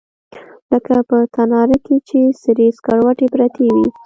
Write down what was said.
لکه په تناره کښې چې سرې سکروټې پرتې وي.